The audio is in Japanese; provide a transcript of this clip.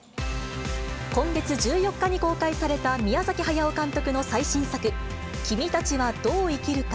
今月１４日に公開された宮崎駿監督の最新作、君たちはどう生きるか。